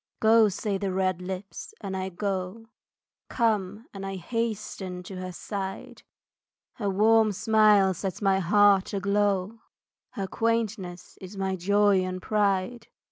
Go, say the red lips, and I go, Come, and I hasten to her side, Her warm smile sets my heart aglow, Her quaintness is my joy and pride.